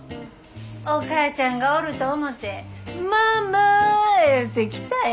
お母ちゃんがおると思て「ママ」言うて来たんやろ。